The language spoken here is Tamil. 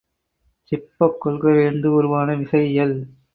சிப்பக் கொள்கையிலிருந்து உருவான விசைஇயல்.